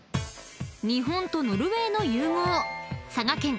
［日本とノルウェーの融合］